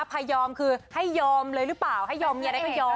พระยอมคือให้ยอมเลยหรือเปล่าให้ยอมเนี่ยก็ต้องยอม